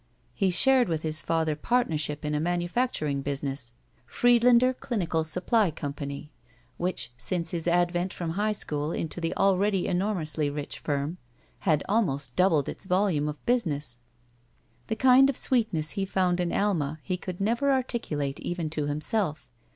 He shared with his father partnership in a manufacturing business — "Fried lander Clinical Supply Company" — ^which, since his advent from high school into the already enormously rich firm, had almost doubled its volume of business. The kind of sweetness he found in Alma he could never articulate even to himself.